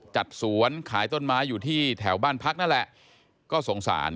จัดสวนขายต้นไม้อยู่ที่แถวบ้านพักนั่นแหละก็สงสาร